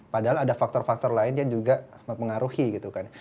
padahal ada faktor faktor lain yang juga mempengaruhi gitu kan